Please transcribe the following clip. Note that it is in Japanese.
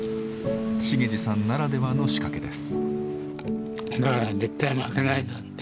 茂司さんならではの仕掛けです。